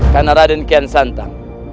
karena raden kian santang